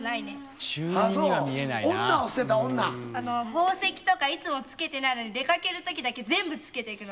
「宝石とかいつも着けてないのに出掛けるときだけ全部着けていくの」